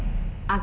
あ！